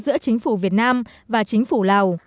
giữa chính phủ việt nam và chính phủ lào